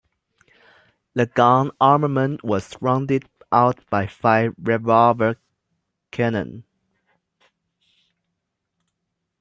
The gun armament was rounded out by five revolver cannon.